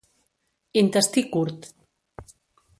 Intestí curt.